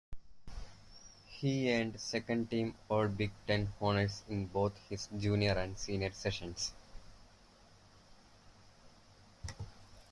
He earned second-team All-Big Ten honors in both his junior and senior seasons.